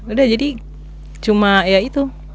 udah jadi cuma ya itu